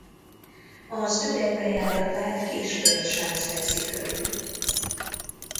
Az üreg bejáratát kis földsánc veszi körül.